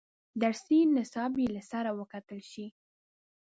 درسي نصاب یې له سره وکتل شي.